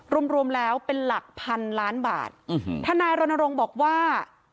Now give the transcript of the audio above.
รวมรวมแล้วเป็นหลักพันล้านบาททนายรณรงค์บอกว่า